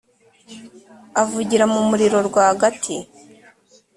avugira mu muriro rwagati,